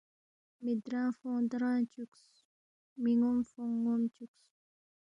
مِہ درانگفونگ درانگ چُوکس، می ن٘وم فونگ ن٘وم چُوکس